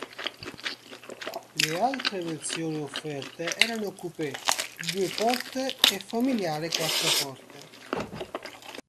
Le altre versioni offerte erano coupé due porte e familiare quattro porte.